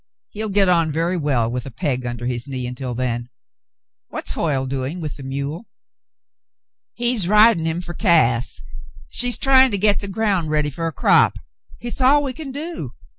He'll get on very well with a peg under his knee until then. \\Tiat's Hoyle doing with the mule?'' "He's rid'n' him fer Cass. She's tryin' to get the ground ready fer a crap. Hit's all we can do.